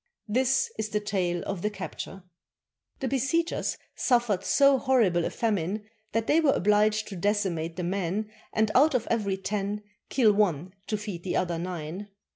This is the tale of the capture :— The besiegers suffered so horrible a famine that they were obliged to decimate the men and out of every ten kill one to feed the other nine.